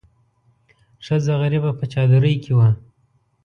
ښځه غریبه په چادرۍ کې وه.